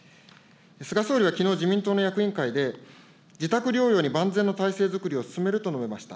菅総理はきのう、自民党の役員会で、自宅療養に万全の体制作りを進めると述べました。